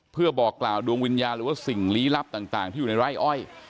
เพื่อบอกกล่าวดวงวิญญาณหรือว่าสิ่งลี้ลับต่างที่อยู่ในไร่อ้อย